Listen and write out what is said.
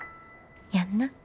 やんな。